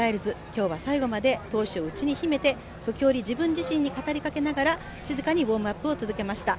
今日は最後まで闘志をうちに秘めて、時折、自分自身に語りかけながら静かにウォームアップを続けました。